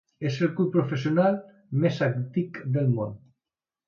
És el club professional més antic del món.